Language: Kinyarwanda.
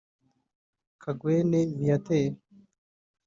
Kagwene Viateur